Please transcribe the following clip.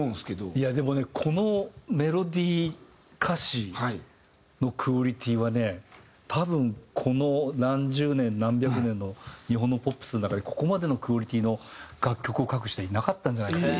いやでもねこのメロディー歌詞のクオリティーはね多分この何十年何百年の日本のポップスの中でここまでのクオリティーの楽曲を書く人はいなかったんじゃないかと。